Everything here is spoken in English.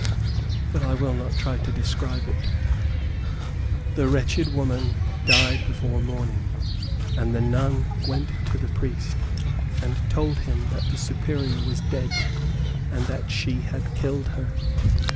But I will not try to describe it. The wretched woman died before morning, and the nun went to the priest and told him that the Superior was dead, and that she had killed her.